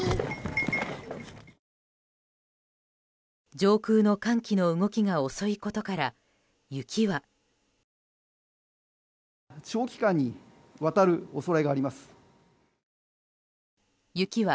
上空の寒気の動きが遅いことから雪は。